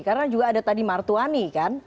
karena juga ada tadi martwani kan